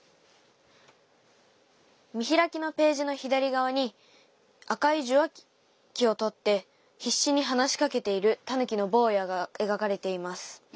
見開きのページの左側に赤い受話器を取って必死に話しかけているタヌキの坊やが描かれています。